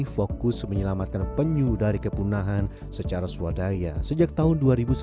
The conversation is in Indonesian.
fokus menyelamatkan penyu dari kepunahan secara swadaya sejak tahun dua ribu sebelas